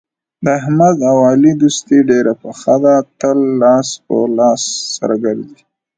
د احمد او علي دوستي ډېره پخه ده تل لاس په لاس سره ګرځي.